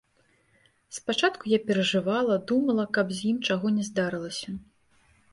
Спачатку я перажывала, думала, каб з ім чаго не здарылася.